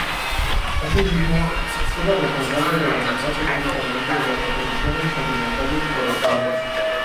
Asimismo, es la responsable de organizar periódicamente las competiciones continentales correspondientes.